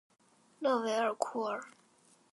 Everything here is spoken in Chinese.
勒韦尔库尔。